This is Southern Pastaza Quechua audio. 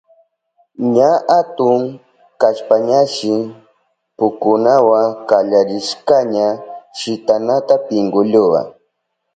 Ña atun kashpañashi pukunawa kallarishkaña shitanata pinkulluwa.